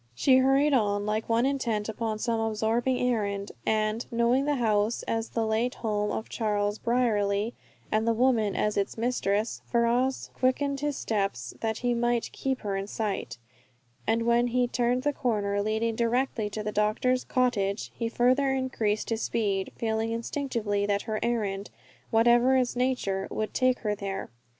She hurried on like one intent upon some absorbing errand, and, knowing the house as the late home of Charles Brierly, and the woman as its mistress, Ferrars quickened his steps that he might keep her in sight, and when she turned the corner leading directly to the doctor's cottage he further increased his speed, feeling instinctively that her errand, whatever its nature, would take her there.